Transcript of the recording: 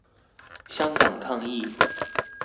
香港抗議